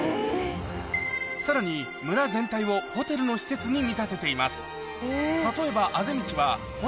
さらに村全体をホテルの施設に見立てています